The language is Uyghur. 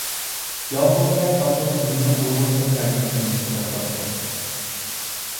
ياپونىيە كارتون فىلىمى ئۇيغۇرچىغا تەرجىمە قىلىنىشقا باشلاپتۇ.